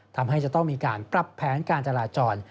ทำให้จะต้องมีการปรับแผนการจราจร